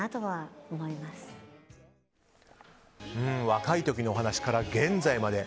若い時のお話から現在まで。